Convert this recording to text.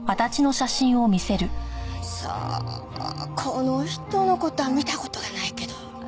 さあこの人の事は見た事がないけど。